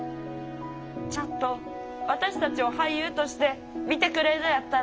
ちゃんと私たちを俳優として見てくれんのやったら。